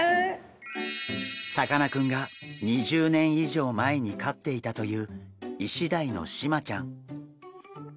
さかなクンが２０年以上前に飼っていたというイシダイのシマちゃん。